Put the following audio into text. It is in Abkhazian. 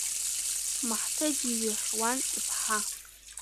Маҳҭы дизаӷьуан иԥҳа.